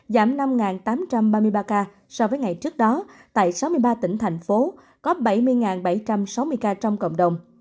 giảm năm tám trăm ba mươi ba ca so với ngày trước đó tại sáu mươi ba tỉnh thành phố có bảy mươi bảy trăm sáu mươi ca trong cộng đồng